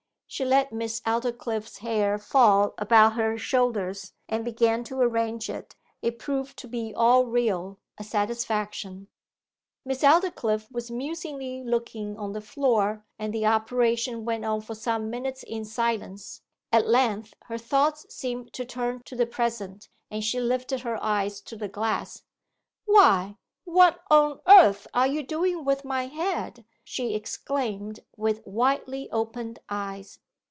She let Miss Aldclyffe's hair fall about her shoulders, and began to arrange it. It proved to be all real; a satisfaction. Miss Aldclyffe was musingly looking on the floor, and the operation went on for some minutes in silence. At length her thoughts seemed to turn to the present, and she lifted her eyes to the glass. 'Why, what on earth are you doing with my head?' she exclaimed, with widely opened eyes.